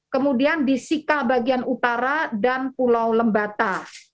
kemudian di sika bagian utara dan pulau lembata